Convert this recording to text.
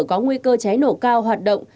có nguy cơ cháy nổ cao hoạt động